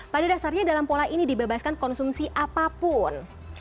pada dasarnya dalam pola ini dibebaskan konsumsi apapun